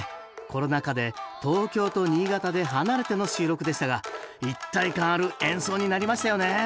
コロナ禍で東京と新潟で離れての収録でしたが一体感ある演奏になりましたよね